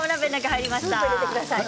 入れてください。